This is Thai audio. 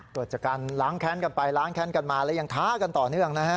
เกิดจากการล้างแค้นกันไปล้างแค้นกันมาแล้วยังท้ากันต่อเนื่องนะฮะ